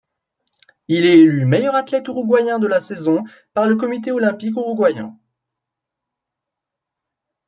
Il est élu meilleur athlète uruguayen de la saison par le Comité Olympique Uruguayen.